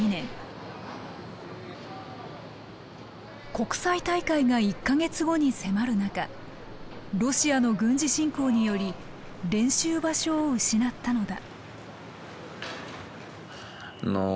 国際大会が１か月後に迫る中ロシアの軍事侵攻により練習場所を失ったのだ。